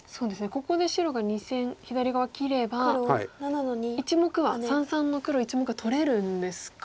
ここで白が２線左側切れば三々の黒１目は取れるんですか。